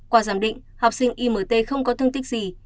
qua giám định học sinh imt không có thương tích gì